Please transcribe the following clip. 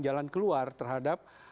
jalan keluar terhadap